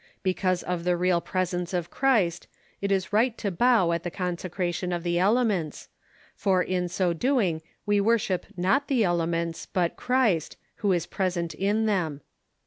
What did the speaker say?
Because of the real presence of Christ, it is right to bow at the consecration of the elements, for in so doing we worship not the elements, but Christ, Avho is present in them.